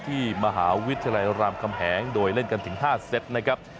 ที่มหาวิทยาลัยรามคำแหงโดยเล่นกันถึง๕เซตนะครับ